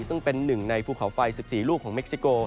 ซึ่งเป็นหนึ่งในภูเขาไฟ๑๔ลูกของเม็กซิโก